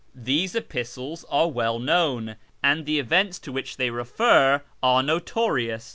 These epistles are well known, and the events to which they refer are notorious.